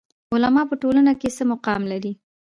علما په ټولنه کې څه مقام لري؟